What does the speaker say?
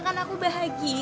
harusnya kan aku bahagia ya